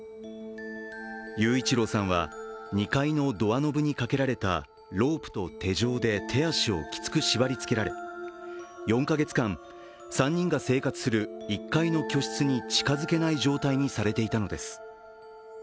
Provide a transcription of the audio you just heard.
雄一郎さんは２階のドアノブにかけられたロープと手錠で手足をきつく縛りつけられ４カ月間、３人が生活する１階の居室に近づけない状態にされていたのです。